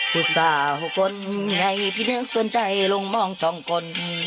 ทุกสาวคนใหญ่พินึกส่วนใจลงมองช่องคน